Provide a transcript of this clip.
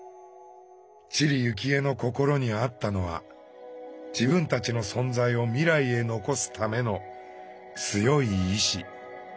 知里幸恵の心にあったのは自分たちの存在を未来へ残すための強い意思。